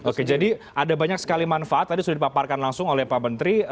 oke jadi ada banyak sekali manfaat tadi sudah dipaparkan langsung oleh pak menteri